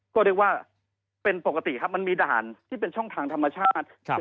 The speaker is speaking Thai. ก็เรียกว่าเป็นปกติครับมันมีด่านที่เป็นช่องทางธรรมชาติ